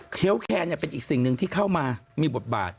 แคนเป็นอีกสิ่งหนึ่งที่เข้ามามีบทบาท